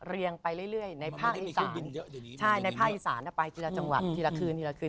เรียงไปเรื่อยในภาคอีสานใช่ในภาคอีสานไปทีละจังหวัดทีละคืนทีละคืน